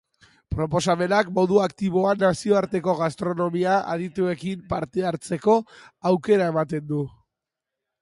Proposamenak modu aktiboan nazioarteko gastronomia adituekin parte hartzeko aukera ematen du.